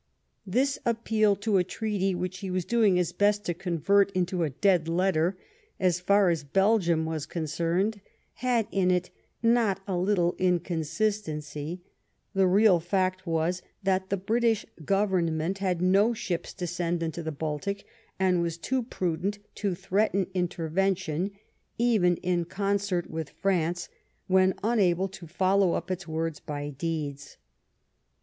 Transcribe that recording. This appeal to a treaty which he was •doing his best to convert into a dead letter, as far as Belgium was concerned, had in it not a little inconsis tency ; the real fact was that the British Government had no ships to send into the Baltic, and was too pru dent to threaten intervention, even in concert with France, when unable to follow up its words by deeds.